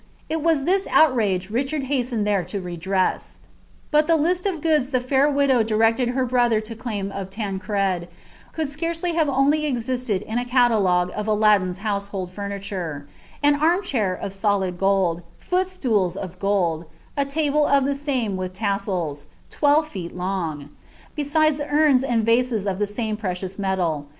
It was this ntrage Richard hastened there to redress. But the list of gooils the ir widow directed her brother to claim of Tancred, could surely have nly existed in a catalogue of Aladdin's household furniture :— an arm \imt of solid gold ;' footstools of gold ; a table of the same with tres iU, twelve feet long ; besides unis and vases of the same precious letal.